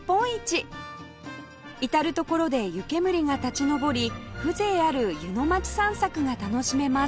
至る所で湯けむりが立ち上り風情ある湯の町散策が楽しめます